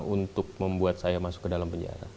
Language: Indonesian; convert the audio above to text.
untuk membuat saya masuk ke dalam penjara